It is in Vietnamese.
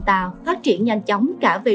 ta phát triển nhanh chóng cả về